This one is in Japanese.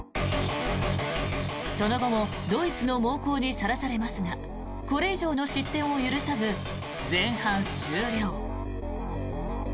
その後もドイツの猛攻にさらされますがこれ以上の失点を許さず前半終了。